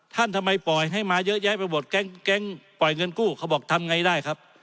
ทำไมปล่อยให้มาเยอะแยะไปหมดแก๊งปล่อยเงินกู้เขาบอกทำไงได้ครับ